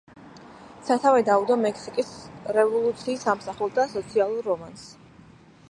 სათავე დაუდო მექსიკის რევოლუციის ამსახველ და სოციალურ რომანს.